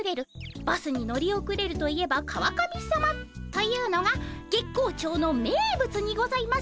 バスに乗り遅れるといえば川上さまというのが月光町の名物にございますからねえ。